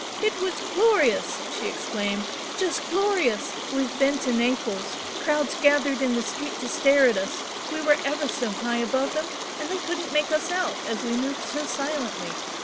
"It was glorious!" she exclaimed "Just glorious! We've been to Naples, crowds gathered in the street to stare at us, we were ever so high above them and they couldn't make us out, as we moved so silently!